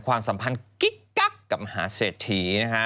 ความสัมพันธ์กิ๊กกักกับมหาเศรษฐีนะฮะ